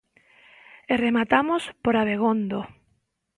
E rematamos por Abegondo.